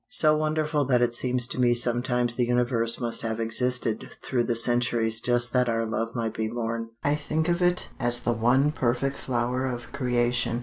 So wonderful that it seems to me sometimes the universe must have existed through the centuries just that our love might be born. I think of it as the one perfect flower of creation.